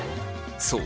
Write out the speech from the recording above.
そう。